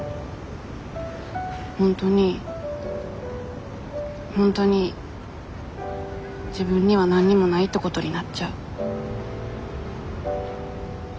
本当に本当に自分には何にもないってことになっちゃう。